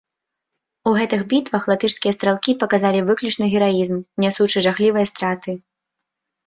У гэтых бітвах латышскія стралкі паказалі выключны гераізм, нясучы жахлівыя страты.